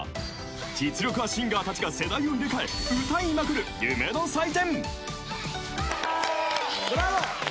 実力派シンガーたちが世代を入れ替え歌いまくる夢の祭典。